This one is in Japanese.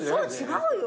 違うよ。